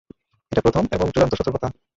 এটা প্রথম এবং চূড়ান্ত সতর্কতা।